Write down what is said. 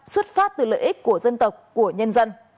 xuất phát từ lợi ích của dân tộc của nhân dân